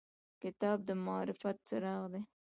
کتاب د معرفت څراغ دی.